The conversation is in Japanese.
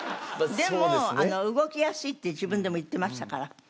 でも動きやすいって自分でも言ってましたから。